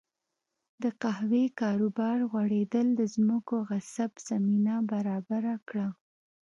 د قهوې کاروبار غوړېدل د ځمکو غصب زمینه برابره کړه.